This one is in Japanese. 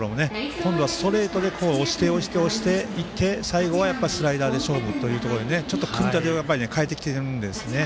今度はストレートで押して、押していって最後はスライダーで勝負ということで組み立てを変えてきているんですね。